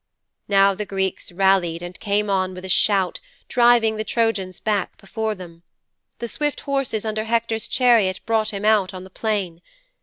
'Now the Greeks rallied and came on with a shout, driving the Trojans back before them. The swift horses under Hector's chariot brought him out on the plain.